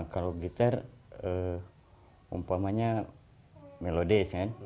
kalau gitar umpamanya melodes kan